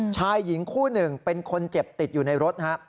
ชายหญิงคู่หนึ่งเป็นคนเจ็บติดอยู่ในรถฮะ